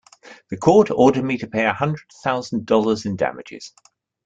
The court ordered me to pay a hundred thousand dollars in damages.